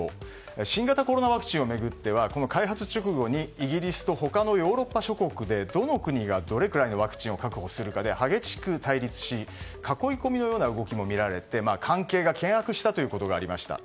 新型コロナワクチンを巡っては開発直後にイギリスと他のヨーロッパ諸国でどの国がどれくらいのワクチンを確保するかで激しく対立し囲い込みのような動きも見られて関係が険悪したということがありました。